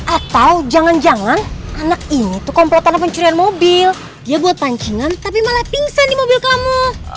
atau jangan jangan anak ini tuh komplotan pencurian mobil dia buat pancingan tapi malah pingsan di mobil kamu